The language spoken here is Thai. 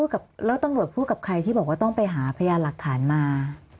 แล้วตำรวจพูดกับใครที่บอกว่าต้องไปหาพยานหลักฐานมา